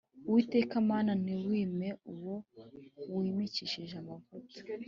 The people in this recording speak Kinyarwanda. uwiteka mana, ntiwime uwo wimikishije amavuta;